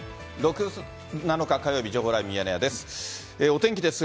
６月７日火曜日、情報ライブミヤネ屋です。